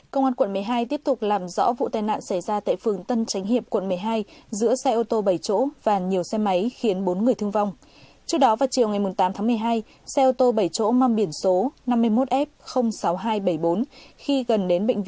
các bạn hãy đăng ký kênh để ủng hộ kênh của chúng mình nhé